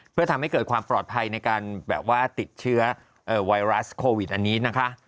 เพื่อทำให้เกิดความปลอดภัยในการแบบว่าติดเชื้อไวรัสโควิดอันนี้นะคะ